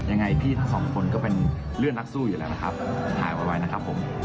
ยังไงพี่ทั้งสองคนก็เป็นเพื่อนนักสู้อยู่แล้วนะครับถ่ายเอาไว้นะครับผม